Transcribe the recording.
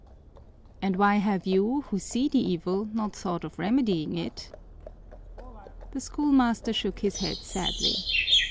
"And why have you, who see the evil, not thought of remedying it?" The schoolmaster shook his head sadly.